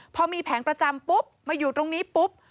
พอมีแผงประจำปุ๊บมาอยู่ตรงนี้ปุ๊บ